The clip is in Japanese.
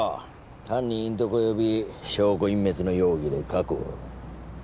犯人隠匿および証拠隠滅の容疑で確保